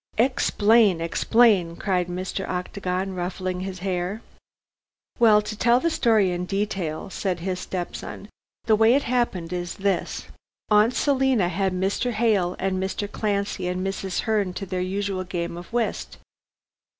"Explain! explain," cried Mr. Octagon, ruffling his hair. "Well, to tell the story in detail," said his step son, "the way it happened is this. Aunt Selina had Mr. Hale and Mr. Clancy and Mrs. Herne to their usual game of whist.